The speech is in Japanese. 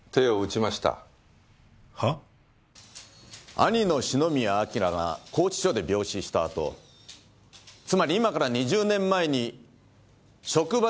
兄の篠宮彬が拘置所で病死したあとつまり今から２０年前に職場で青木由紀男と知り合った。